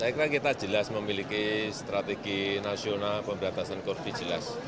saya kira kita jelas memiliki strategi nasional pemberantasan korupsi jelas